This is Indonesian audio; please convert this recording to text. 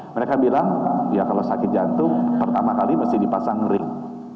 mereka bilang ya kalau sakit jantung pertama kali mesti dipasang ring